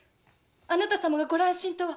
あなた様がご乱心とは。